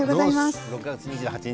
６月２８日